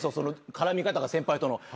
絡み方が先輩との。